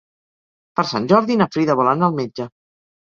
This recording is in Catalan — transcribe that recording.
Per Sant Jordi na Frida vol anar al metge.